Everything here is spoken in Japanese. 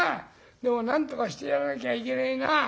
でもなんとかしてやらなきゃいけねえな。